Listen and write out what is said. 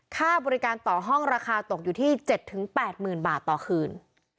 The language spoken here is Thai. ค่าบริการต่อห้องราคาตกอยู่ที่๗๘๐๐๐บาทต่อคืน